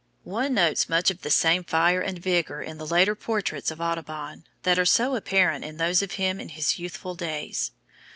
One notes much of the same fire and vigour in the later portraits of Audubon, that are so apparent in those of him in his youthful days.